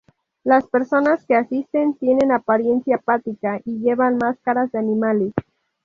Las personas que asisten tienen apariencia apática y llevan máscaras de animales.